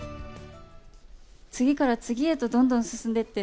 次から次へとどんどん進んでって、